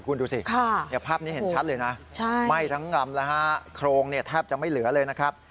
คุณดูสิภาพนี้เห็นชัดเลยนะไหม้ทั้งลำแล้วฮะโครงเนี่ยแทบจะไม่เหลือเลยนะครับ